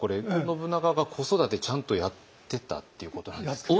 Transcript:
信長が子育てちゃんとやってたっていうことなんですか？